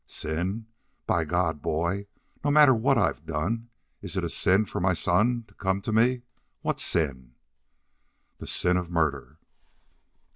"Sin? By God, boy, no matter what I've done, is it sin for my son to come to me? What sin?" "The sin of murder!"